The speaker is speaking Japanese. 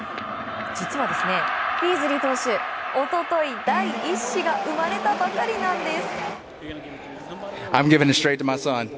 実は、ビーズリー投手一昨日、第１子が生まれたばかりなんです。